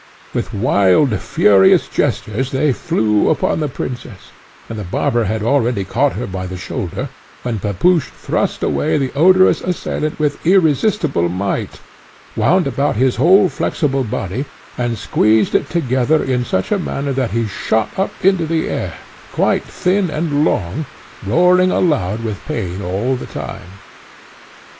With wild, furious gestures they flew upon the princess, and the barber had already caught her by the shoulder, when Pepusch thrust away the odious assailant with irresistible might, wound about his whole flexible body, and squeezed it together in such a manner that he shot up into the air, quite thin and long, roaring aloud with pain all the time.